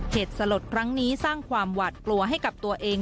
เหตุสลดครั้งนี้สร้างความหวาดกลัวให้กับตัวเอง